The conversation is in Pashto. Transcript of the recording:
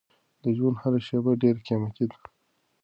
د ژوند هره شېبه ډېره قیمتي ده.